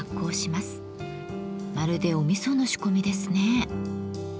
まるでおみその仕込みですね。